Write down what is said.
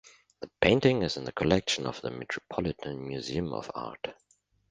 The painting is in the collection of the Metropolitan Museum of Art.